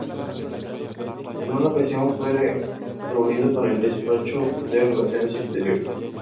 En una ocasión fue reunido con el despacho de Relaciones Exteriores.